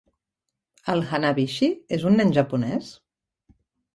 El Hanabishi és un nen japonès?